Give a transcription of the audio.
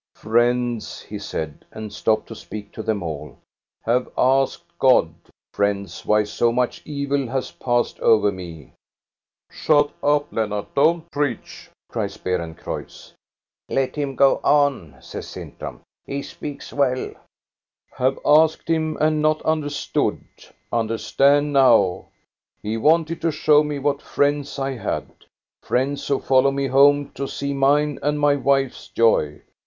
" Friends," he said, and stopped to speak to them all, " have asked God, friends, why so much evil has passed over me." " Shut up, Lennart, don't preach !" cries Beeren creutz. "Let him go on," says Sintram. "He speaks well." " Have asked Him and not understood ; understand now. He wanted to show me what friends I had ; friends who follow me home to see mine and my wife's joy.